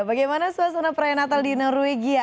bagaimana suasana perayaan natal di norwegia